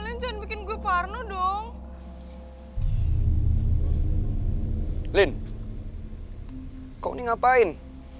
kalian jangan bikin gue parno dong kalian jangan bikin gue parno dong